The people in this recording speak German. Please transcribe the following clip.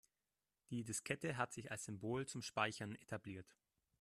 Die Diskette hat sich als Symbol zum Speichern etabliert.